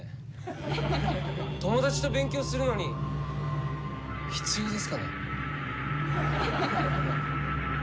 友達と勉強するのに必要ですかね？